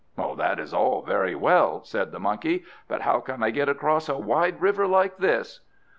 "That is all very well," said the Monkey. "But how can I get across a wide river like this?"